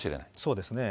そうですね。